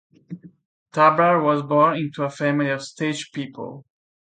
Tabrar was born into a family of stage people.